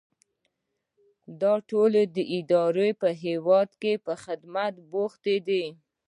دا ټولې ادارې په هیواد کې په خدمت بوختې دي.